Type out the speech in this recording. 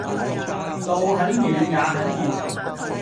路很遠也很熱